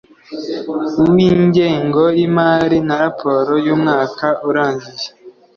w ingengo y imari na raporo y umwaka urangiye